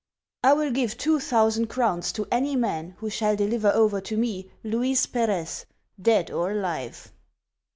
I will give two thousand crowns to any man who shall deliver over to mi Louis Perez, dead or alive.